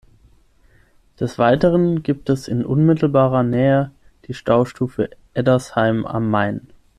Des Weiteren gibt es in unmittelbarer Nähe die Staustufe Eddersheim am Main.